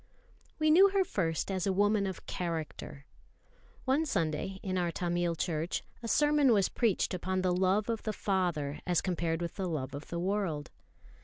We knew her first as a woman of character. One Sunday, in our Tamil church, a sermon was preached upon the love of the Father as compared with the love of the world.